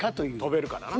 飛べるからな。